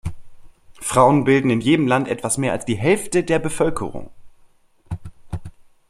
Frauen bilden in jedem Land etwas mehr als die Hälfte der Bevölkerung.